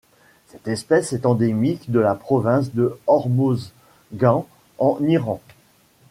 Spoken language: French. Cette espèce est endémique de la province du Hormozgan en Iran.